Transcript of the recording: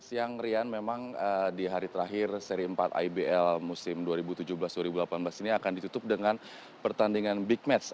siang rian memang di hari terakhir seri empat ibl musim dua ribu tujuh belas dua ribu delapan belas ini akan ditutup dengan pertandingan big match